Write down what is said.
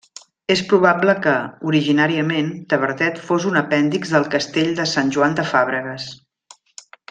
És probable que, originàriament, Tavertet fos un apèndix del castell de Sant Joan de Fàbregues.